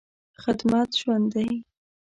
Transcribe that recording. خدمت ژوند دی.